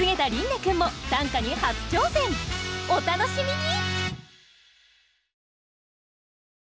お楽しみに！